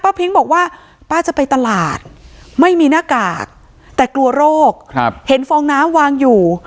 พิ้งบอกว่าป้าจะไปตลาดไม่มีหน้ากากแต่กลัวโรคเห็นฟองน้ำวางอยู่